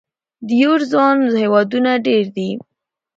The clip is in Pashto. د یورو زون هېوادونه ډېر دي.